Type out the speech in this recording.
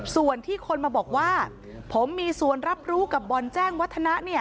ส่วนที่คนมาบอกว่าผมมีส่วนรับรู้กับบอลแจ้งวัฒนะ